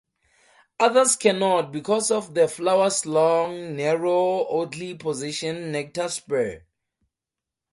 Others cannot because of the flower's long, narrow, oddly positioned nectar spur.